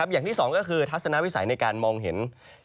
อย่างที่สองก็คือทัศนวิสัยในการมองเห็น